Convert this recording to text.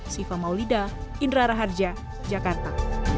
siva maulida indra raharja jakarta